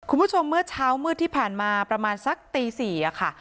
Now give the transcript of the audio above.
คุณผู้ชมเมื่อเช้ามืดที่ผ่านมาประมาณสักตี๔ค่ะ